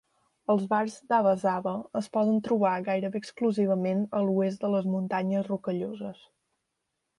Els bars d'Abba-Zaba es poden trobar gairebé exclusivament a l'oest de les muntanyes Rocalloses.